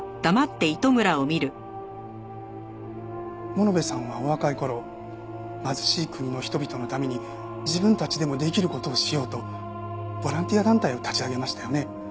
物部さんはお若い頃貧しい国の人々のために自分たちでもできる事をしようとボランティア団体を立ち上げましたよね？